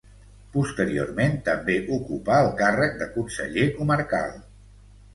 Posteriorment, també ocupà el càrrec de conseller comarcal.